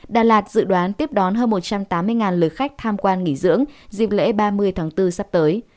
đà lạt dự đoán tiếp đón hơn một trăm tám mươi lượt khách tham quan nghỉ dưỡng dịp lễ ba mươi tháng bốn sắp tới